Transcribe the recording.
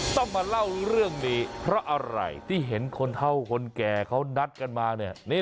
ต้องมาเล่าเรื่องนี้เพราะอะไรที่เห็นคนเท่าคนแก่เขานัดกันมาเนี่ย